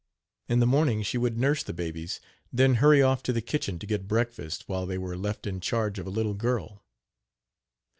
In the morning she would nurse the babies, then hurry off to the kitchen to get breakfast while they were left in charge of a little girl.